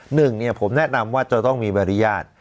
หนึ่งเนี่ยผมแนะนำว่าจะต้องมีบริญญาณ